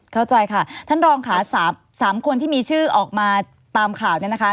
เข้าใจค่ะท่านรองค่ะ๓คนที่มีชื่อออกมาตามข่าวเนี่ยนะคะ